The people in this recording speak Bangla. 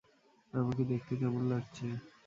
আমাকে দেখতে কেমন লাগছে?